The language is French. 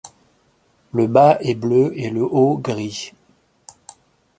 Le bas est bleu et le haut gris.